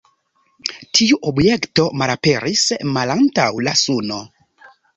Tiu objekto malaperis malantaŭ la Suno.